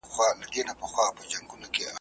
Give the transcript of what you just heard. نر دي بولمه زاهده که دي ټینګ کړ ورته ځان `